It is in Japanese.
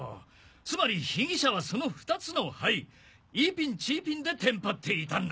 つまり被疑者はその２つのハイイーピンチーピンでテンパっていたんだ。